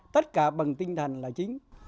tất cả bằng tinh thần là chính